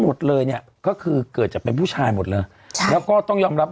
หมดเลยเนี่ยก็คือเกิดจากเป็นผู้ชายหมดเลยใช่แล้วก็ต้องยอมรับ